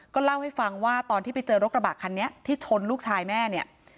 เล่าให้ฟังว่าตอนที่ไปเจอรถกระบะคันนี้ที่ชนลูกชายแม่เนี่ย